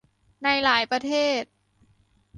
ในหลายประเทศ